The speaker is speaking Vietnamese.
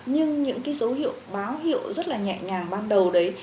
nhưng những cái dấu hiệu báo hiệu rất là nhẹ nhàng ban đầu đấy